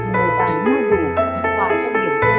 một người bán nhu nhủ